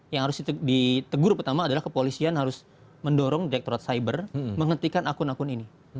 yang harus ditegur pertama adalah kepolisian harus mendorong dectorat cyber menghentikan akun akun ini